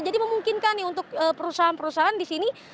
jadi memungkinkan untuk perusahaan perusahaan di sini